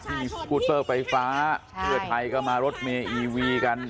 ที่มีสกุลเซอร์ไฟฟ้าเผื่อไทยก็มารถเมย์อีวีกัน